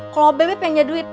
kalo bebep yang nyari duit